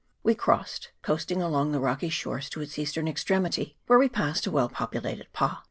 We crossed, coasting along the rocky shores to its eastern extremity, where we passed a well populated pa.